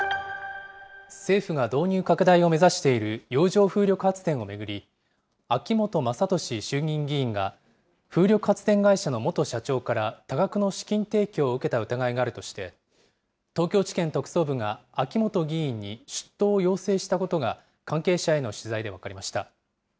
政府が導入拡大を目指している洋上風力発電を巡り、秋本真利衆議院議員が風力発電会社の元社長から多額の資金提供を受けた疑いがあるとして、東京地検特捜部が秋本議員に出頭を要請したことが関係者への取材